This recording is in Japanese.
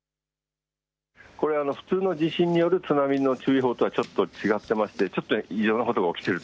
普通の地震による津波の注意報とはちょっと違っていましてちょっと異常なことが起きていると。